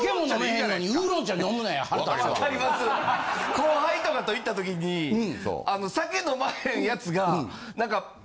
後輩とかと行った時に酒飲まへんやつが。